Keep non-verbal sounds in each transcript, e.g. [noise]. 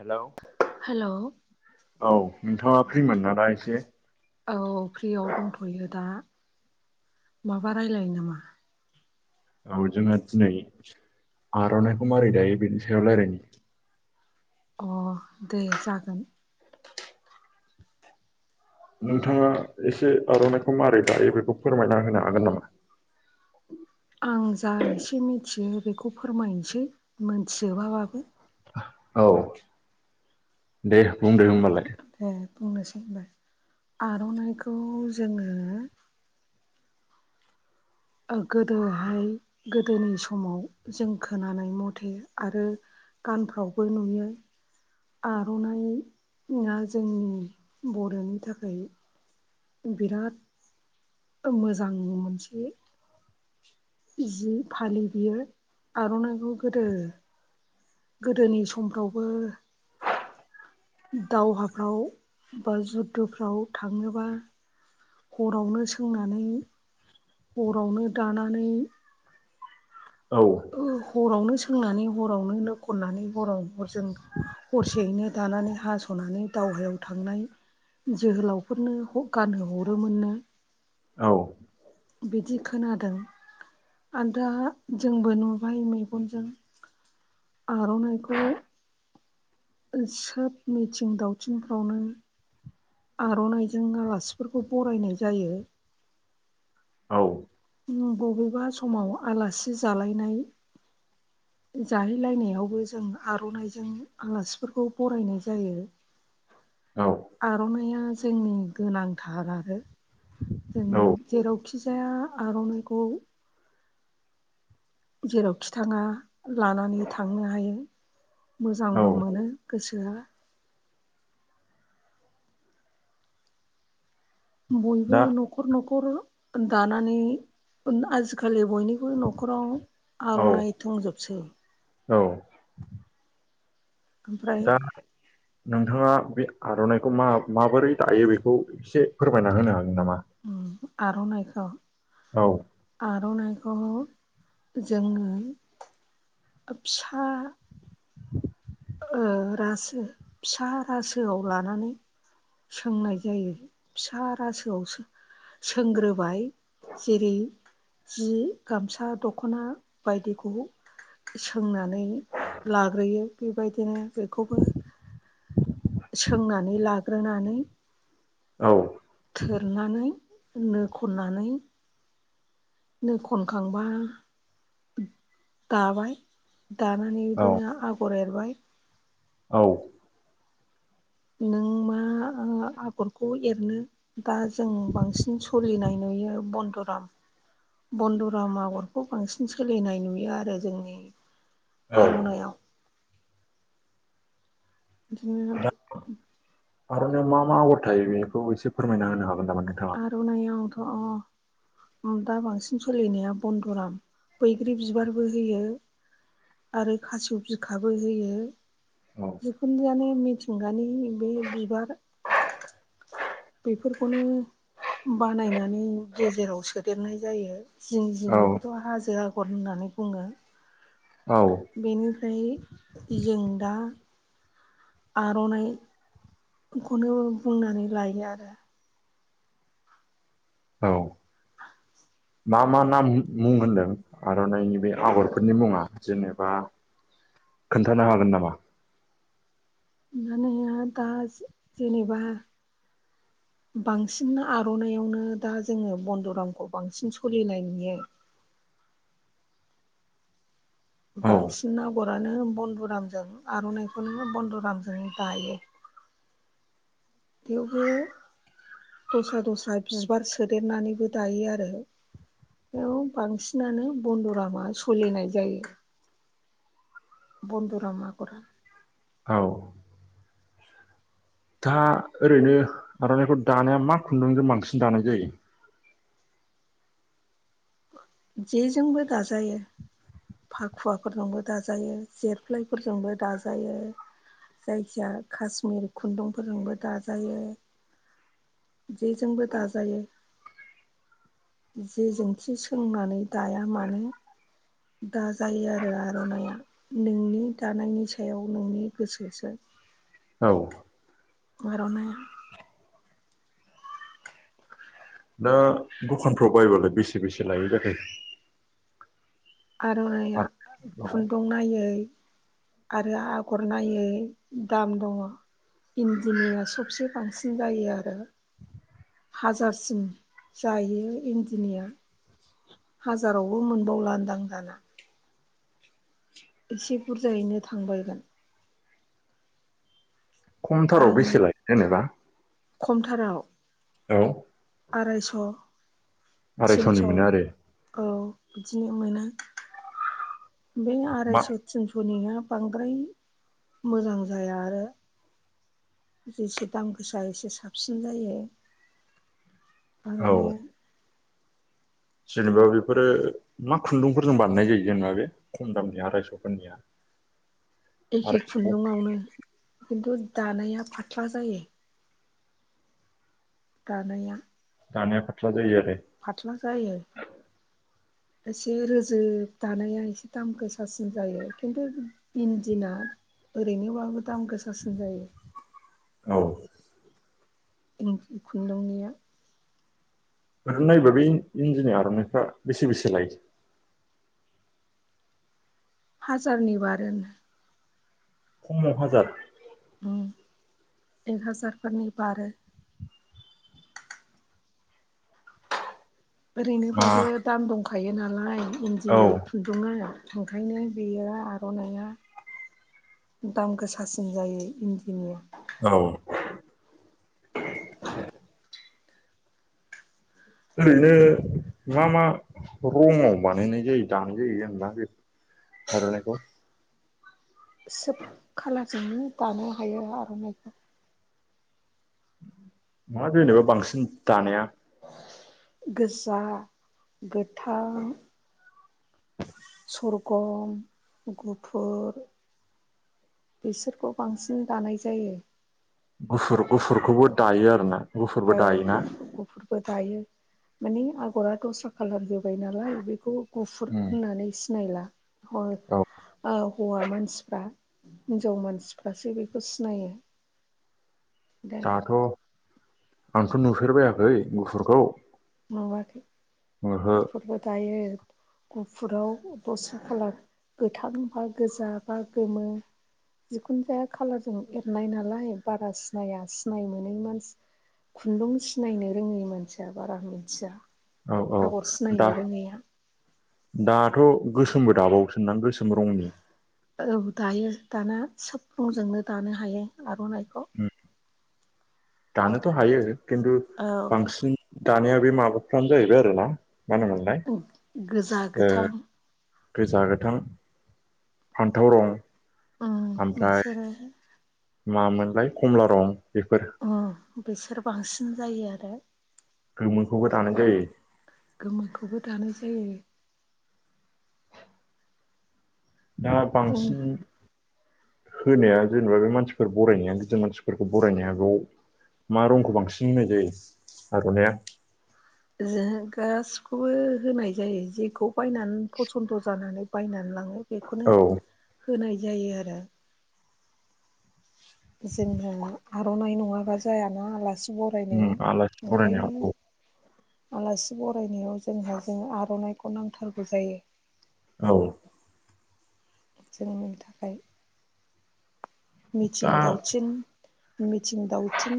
Hello औ hello नोंथाङा फ्रिमोन ना दा एसे औ फ्रियाव दंथयो दा। माबा रायलायो नामा? औ जोङो दिनै आरननाइखौ मारै दायो बेनि सायाव रायज्लायनो अ दे जागोन। नोंथाङा एसे आरननाइखौ मारै दायो बेखौ फोरमायना होनो हागोन नामा? आं जा एसे मिथियो बेखौ फोरमायनोसै मोनथिजोबाबाबो औ दे बुंदो होनबालाय दे बुंनोसै होनबाय आर'नाइखौ जोङो ओ गोदोहाय गोदोनि समाव जों खोनानाय मथे आरो गानफ्रावबो नुयो। आर'नाइयख जोंनि बर'नि थाखाय बिराद मोजां मोनसे जि फालि बियो आर'नाइखौ गोदो गोदोनि समफ्रावबो दावहाफ्राव बा जुदद'फ्राव थाङोबा हरावनो सोंनानै हरावनो दानानै औ ओ हरावनो सोंनानै हरावनो नो खननानै हराव हरजों हरसेयैनो दानानै हास'नानै दावहायाव थांनाय जोहोलावफोरनो गानहो हरोमोननो औ बिदि खोनादों। आरो दा जोंबो नुबाय मैगनजों आर'नायखौ सोब मिथिं दावथिंफ्रावनो आर'नाइजों आलासिफोरखौ बरायनाय जायो। औ बबेबा समाव आलासि जालायनाय जाहैलायनायावबो जों आर'नाइजों आलासिफोरखौ बरायनाय जायो। आर'नाया जोंनि गोनांथार आरो जों औ जेरावखि जाया आर'नाइखौ जेरावखि थाङा लानानै थांनो हायो औ मोजांबो औ मोनो। गोसोया बयबो दा न'खर न'खर दानानै आजिखालि बयनिबो न'खराव औ आर'नाइ दंजोबसै औ ओमफ्राय दा नोंथाङा बे आर'नाइखौ मा माबोरै दायो बेखौ एसे फोरमायना होनो हागोन नामा? उम आर'नाइखौ औ आर'नाइ बेखौ जोङो फिसा ओ रासो फिसा रासोयाव लानानै सोंनाय जायो फिसा रासोयावसो सोंग्रोबाय जेरै जि गामसा दख'ना बायदिखौ सोंनानै लाग्रोयो। बेबायदिनो बेखौबो सोंनानै लाग्रोनानै औ थोरनानै नो खननानै नो खनखांबा दाबाय दानानै औ बिदिनो आगर एरबाय औ नों मा आगरखौ एरनो दा जों बांसिन सोलिनाय नुयो बन दुराम बननदुराम आगरखौ बांसिन सोलिनाय नुयो आरो जोंनि दा आर'नाइयाव बिदिनो आरनायाव मा मा आगर थायो बेखौ एसे फोरमायना होनो हागोन। नामा नोंथाङा? आर'नायावथ दा बांसिन सोलिनाया बन्दराम बैग्रि बिबारबो होयो। आरो खासेव बिखाबो होयो। औ जिखुनुआानो मिथिंगानि बे बिबार बेफोरखौनो बानायनानै गेजेराव सोदेरनाय जायो। जिं जिंनि औ खौथ' हाजो आगर होननानै बुङो। औ बेनिफ्राय जों दा आर'नाइखौनो बुंनानै लायो आरो। औ [inaudible] मा मा नाम मुं होनदों आर'नाइनि बे आगरफोरनि मुङा जेनेबा खोन्थानो हागोन नामा? [unintelligible] दा जेनेबा बांसिन आर'नायावनो दा जोङो बन्दरामखौ बांसिन सलिनाय नुयो। [inaudible] औ बांसिन आगर आनो बन्दुरामजों आर'नाइखौनो बन्दुरामजों दायो। थेवबो दस्रा दस्रा बिबार सोदेरनानैबो दायो आरो। बेयाव बांसिनानो बन्दरामा सलिनाय जायो। बान्दुरा आगरा औ दा ओरैनो आर'नाइखौ दानाया मा खुन्दुंजों बांसिन दानाय जायो। जेजोंबो दाजायो। फाखुवाफोरजोंबो दाजायो जेरफ्लाय फोरजोंबो दाजायो। जायखिजाया कासमिर खुन्दुंफोरजोंबो दाजायो। जेजोंबो दाजायो जे जों थि सोंनानै दाया मानो दाजायो आरो आर'नाया नोंनि दानायनि सायाव नोंनि गोसोसो औ आर'नाया दा दखानफ्राव बायबालाय बेसे बेसे लायो। [unintelligible] आर'नाया आरो औ खुन्दुं नायै आरो आगर नायै दाम दङ। इन्दिनिया सबसे बांसिन जायो आरो। हाजारसिम जायो इन्दिनिया हाजारावबो मोनबावला होनदां दाना एसे बुरजायैनो थांबायगोन। खमथाराव आं बेसे लायो जेनेबा खमथाराव औ आरायस' आरायस'नि थिनस' मोनो आरो औ बिदिनो मोनो बे मा आरायस' थिनस'निया बांद्राय मोजां जाया आरो। जेसे दाम गोसा एसे साबसिन जायो। औ आर'नाया जेनेबा बेफोरो मा खुन्दुंफोरजों बानायनाय जायो जेनेबा बे खम दामनिया आरायस'फोरनिया [inaudible] एखे आरायस' खुन्दुआवनो खिन्थु दानाया फाथ्ला जायो। गानाया दानाया फाटला जायो आ। फाथ्ला जायो। एसे रोजोब दानाया एसे दाम गोसासिन जायो। खिन्थु इन्दिना ओरैनोबाबो दाम गोसासिन जायो। औ ओरैनो उम खुन्दुंनिया ओरैनो नायोबा बे इन्जिनि आर'नाइफ्रा बेसे बेसे लायो। हाजारनि बारोनो खमाव हाजार उम एक हाजारफोरनि बारो। मा ओरैनोबाबो दाम दंखायो नालाय इन्दि औ खुन्दुङा ओंखायनो बेयो आर'नाया दाम गोसासिन जायो। इन्दिनिया औ ओरैनो मा मा रमाव बानायनाय जायो दानाय जायो। जेनेबा बे आरनायखौ सोब खालारजोंनो दानो हायो आर'नाइखौ नङा जेनेबा बांसिन दानाया गोजा गोथां खरगम गुफुर बिसोरखौ बांसिन दानाय जायो। गुफुर गुफुरखौबो दायो आरो ना औ गुफुर गुफुरबो दायो। मानि आगरा दस्रा खालार होबाय नालाय बैखौ गुफुर उम होननानै सिनायला अल औ औ हौवा मानसिफ्रा हिनजाव मानसिफ्रासो बेखौ सिनायो। दा दाथ' आंथ' नुफेरबायाखै गुफुरखौ नुवाखै ओहो गुफुरबो दायो। गुफुराव बसो खालार गोथां बा गोजा बा गोमो जिखुनु जाया कालारजों एरनाय नालाय बारा सिनाया सिनाय मोनै मानसि खुन्दुं सिनायनो रोङै मानसिया बारा मिथिया। औ औ आगर दा सिनायनो रोङैया दाथ' गोसोमबो दाबावोसोन दां गोसोम रंनि औ दायो दाना सोब रंजोंनो दानो हायो आर'नाइ उम दानोथ' हायो खिन्थु औ बांसिन दानाया बे माबाफ्रानो जाहैबाय आरोना मा गोजा होनोमोनलाय ओ गोथां गोजा गोथां फान्थाव रं उम ओमफ्राय बैसोरो मामोनलाय कमला रं बेफोर उम बिसोर बांसिन जायो आरो। गोमोखौबो दानाय जायो। गोमोखौबो दानाय जायो। दा जों बांसिन होनाया जेनेबा बे मानसिफोर बरायनाया गदिर मानसिफोरखौ बरायनाया [unintelligible] मा रंखौ बांसिन होनाय जायो आर'नाया जों गासिखौबो होनाय जायो जेखौ बायनानै फसन्द' जानानै बायनानै लाङो। बेखौनो औ होनाय जायो आरो। जोंहा आर'नाइ नङाबा जाया ना आलासि उम बरायनायाव आलासि ओंखायनो बरायनायाव आलासि बरनायाव जोंहा जों आर'नाइखौ नांथारगौ जायो। औ जोंनि थाखाय दा मिथिं दाउथिं मिथिं दावथिं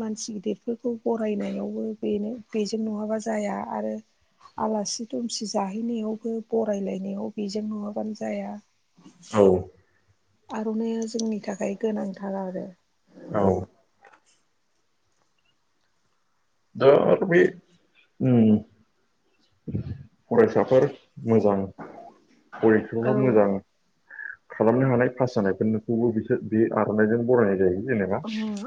मानसि गिदिरफोरखौ बरायनायावबो बेनो बेजों नङाबा जाया। आरो आलासि दुमसि जाहैनायावबो बरायलायनायाव बेजों नंङाबानो जाया। औ आर'नाइया जोंनि थाखाय गोनांथार आरो औ दा बे फरायसाफोर मोजां बयखोबो मोजां खालामनो हानाय पास जानायखौबो बिसोर बे आर'नाइजों बरायनाय जायो। जेनेबा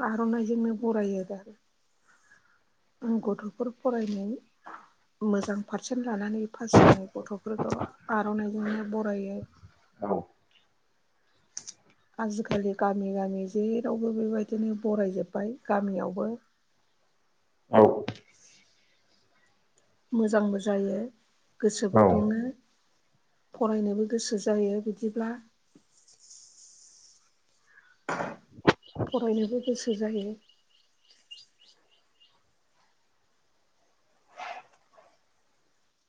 आर'नाइजोंनो बरायो आरो। गथ'फोर फरायनाय मोजां पारसेन्ट लानानै पास जानाय गथ'फोरखौ आर'नाइजोंनो बरायो। औ आजिखालि गामि गामि जेरावबो बेबायदिनो बरायजोब्बाय गामियावबो [unintelligible] औ मोजांबो जायो गोसोबो औ दुङो। फरायनोबो गोसो जायो। बिदिब्ला फरायनोबो गोसो जायो।